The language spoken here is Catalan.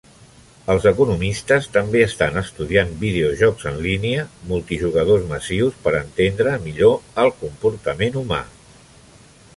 Els economistes també estan estudiant videojocs en línia multi-jugador massius per entendre millor el comportament humà.